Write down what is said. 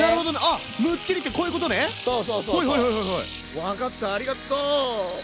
分かったありがとう！